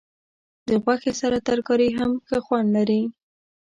د غوښې سره ترکاري هم ښه خوند لري.